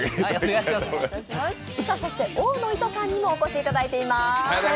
そして大野いとさんにもお越しいただいています。